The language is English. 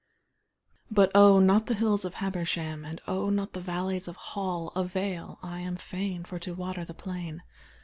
But oh, not the hills of Habersham, And oh, not the valleys of Hall Avail: I am fain for to water the plain.